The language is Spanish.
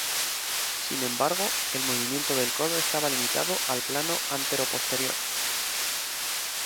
Sin embargo, el movimiento del codo estaba limitado al plano anteroposterior.